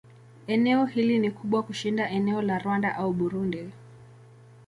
Eneo hili ni kubwa kushinda eneo la Rwanda au Burundi.